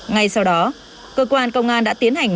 ngay sau đó cơ quan công an đã tiến hành